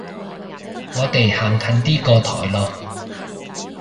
我哋行近啲個台囉